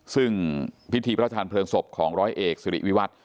ซึ่งพิธีพระทานเพลิงศพของร้อยเอกสิริวิวัตร